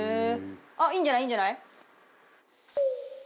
あっいいんじゃない？いいんじゃない？